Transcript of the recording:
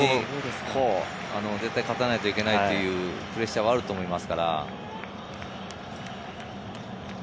絶対勝たないといけないというプレッシャーはあると思います。